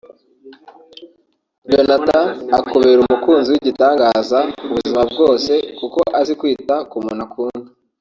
Jonathan akubera umukunzi w’igitangaza ubuzima bwose kuko azi kwita ku muntu akunda